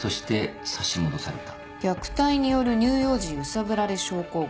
虐待による乳幼児揺さぶられ症候群。